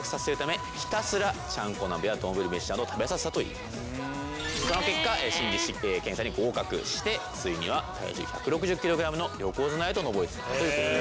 しかしその結果新弟子検査に合格してついには体重１６０ｋｇの横綱へと上り詰めたのです。